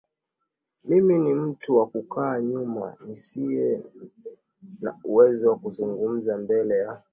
mimi ni mtu wa kukaa nyuma nisiye na uwezo wa kuzungumza mbele ya